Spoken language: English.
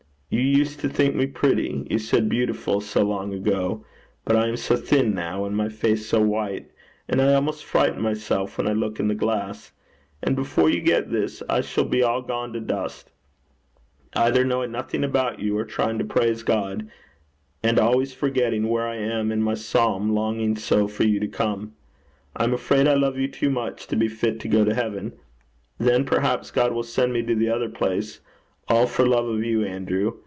You used to think me pretty you said beautiful so long ago. But I am so thin now, and my face so white, that I almost frighten myself when I look in the glass. And before you get this I shall be all gone to dust, either knowing nothing about you, or trying to praise God, and always forgetting where I am in my psalm, longing so for you to come. I am afraid I love you too much to be fit to go to heaven. Then, perhaps, God will send me to the other place, all for love of you, Andrew.